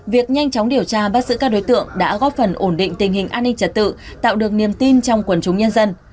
việc nhanh chóng điều tra bắt giữ các đối tượng đã góp phần ổn định tình hình an ninh trật tự tạo được niềm tin trong quần chúng nhân dân